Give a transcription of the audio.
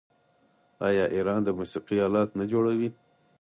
آیا ایران د موسیقۍ الات نه جوړوي؟